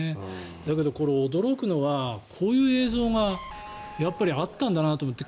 だけど、驚くのはこういう映像があったんだなと思って。